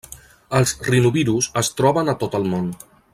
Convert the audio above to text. Els rinovirus es troben a tot el món.